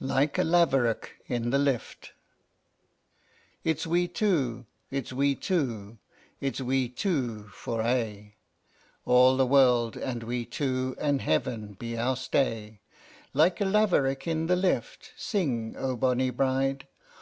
LIKE A LAVEROCK IN THE LIFT. I. It's we two, it's we two, it's we two for aye, All the world and we two, and Heaven be our stay. Like a laverock in the lift, sing, O bonny bride!